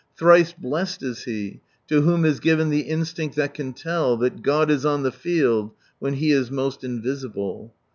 Thrice blest is he to whom is given the instinct that can tell That God is on the field when He is most invisible.